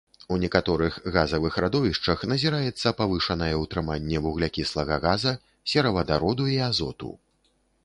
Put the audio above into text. У некаторых газавых радовішчах назіраецца павышанае ўтрыманне вуглякіслага газа, серавадароду і азоту.